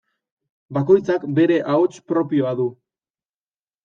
Bakoitzak bere ahots propioa du.